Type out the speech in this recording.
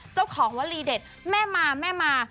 เจ้าของวลีเด็ดแม่มาแม่มา